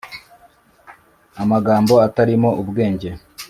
amagambo atarimo ubwenge’